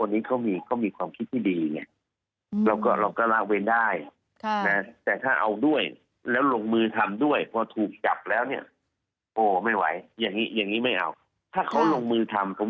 ในปีที่แล้วเนี่ยเราจะมุทธ